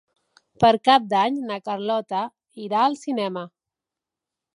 Per Cap d'Any na Carlota irà al cinema.